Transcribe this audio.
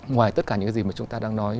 ngoài tất cả những cái gì mà chúng ta đang nói